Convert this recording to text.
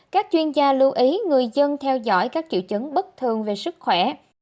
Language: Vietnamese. các chuyên gia lưu ý người dân theo dõi các triệu chứng bất thường về sức khỏe